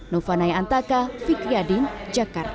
novanaya antaka fikriadin jakarta